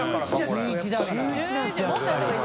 週１なんですよやっぱり。